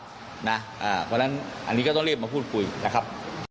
เพราะฉะนั้นอันนี้ก็ต้องรีบมาพูดคุยนะครับ